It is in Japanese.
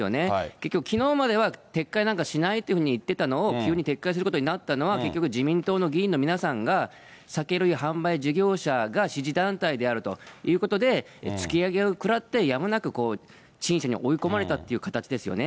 結局、きのうまでは撤回なんかしないっていうふうに言ってたのを急に撤回することになったのは、結局、自民党の議員の皆さんが、酒類販売事業者が支持団体であるということで、突き上げを食らって、やむなく陳謝に追い込まれたっていう形ですよね。